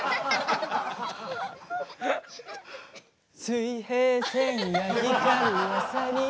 「水平線が光る朝に」